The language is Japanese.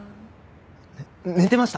ね寝てました。